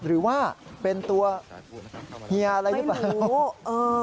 หรือว่าเป็นตัวเฮียอะไรหรือเปล่า